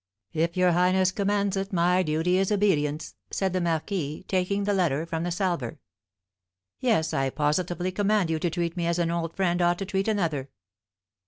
"If your highness commands it, my duty is obedience," said the marquis, taking the letter from the salver. "Yes, I positively command you to treat me as one old friend ought to treat another."